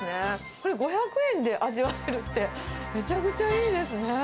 これ、５００円で味わえるって、めちゃくちゃいいですね。